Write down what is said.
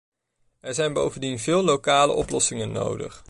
Er zijn bovendien veel lokale oplossingen nodig.